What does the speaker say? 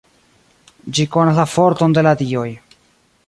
Ĝi konas la forton de la Dioj.